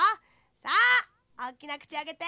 さあおおきなくちあけて。